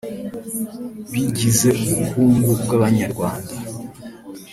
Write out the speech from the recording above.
bigize ubukungu bw’Abanyarwanda